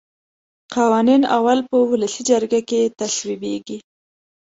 قوانین اول په ولسي جرګه کې تصویبیږي.